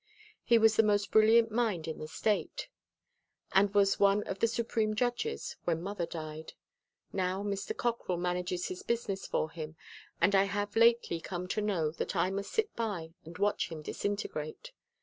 He was the most brilliant mind in the state, and was one of the supreme judges when mother died. Now Mr. Cockrell manages his business for him and I have lately come to know that I must sit by and watch him disintegrate.